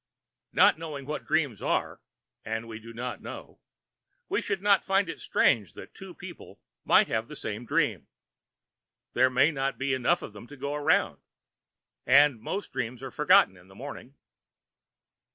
Not knowing what dreams are (and we do not know) we should not find it strange that two people might have the same dream. There may not be enough of them to go around, and most dreams are forgotten in the morning.